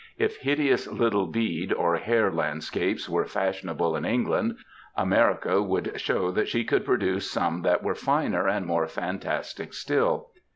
If hideous little bead or hair landscapes were fashionable in England, America would show that she could produce some that were finer and more fantastic still.